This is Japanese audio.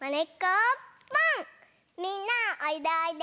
みんなおいでおいで！